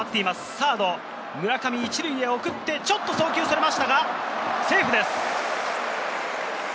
サード・村上、１塁へ送って、ちょっと送球それましたが、セーフです。